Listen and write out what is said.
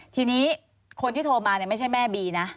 ทีนี้คนที่โทรมาไม่ใช่แม่บีนะ